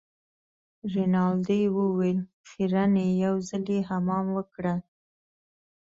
رینالډي وویل خیرن يې یو ځلي حمام وکړه.